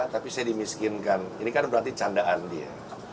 tapi saya dimiskinkan ini kan berarti candaan dia